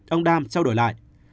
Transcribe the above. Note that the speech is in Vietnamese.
ông đam trao đổi lại